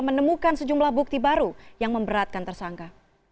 menemukan sejumlah bukti baru yang memberatkan tersangka